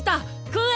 食え！